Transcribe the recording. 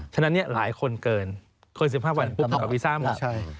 ฉะนั้นเนี่ยหลายคนเกิน๑๕วันปุ๊บต่อวีซ่ามาก